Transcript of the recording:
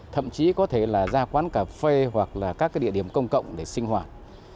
thậm chí có thể ra quán cà phê hoặc các địa điểm công cộng để sinh hoạt